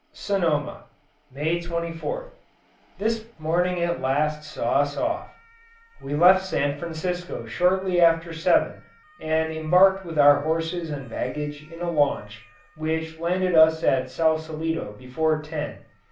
Sonoma. May 24th. This morning at last saw us off. We left San Francisco shortly after seven, and embarked with our horses and baggage in a launch, which landed us at Sausalitto before ten.